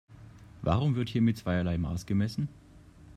Warum wird hier mit zweierlei Maß gemessen?